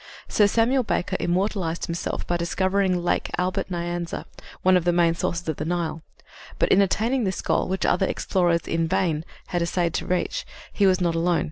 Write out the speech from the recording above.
Sir Samuel Baker immortalized himself by discovering Lake Albert Nyanza, one of the main sources of the Nile, but in attaining this goal, which other explorers had in vain essayed to reach, he was not alone.